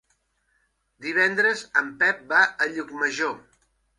Divendres en Pep va a Llucmajor.